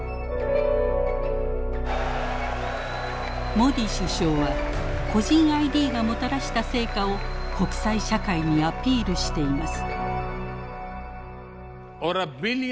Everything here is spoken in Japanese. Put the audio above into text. モディ首相は個人ＩＤがもたらした成果を国際社会にアピールしています。